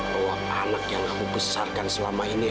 bahwa anak yang aku besarkan selama ini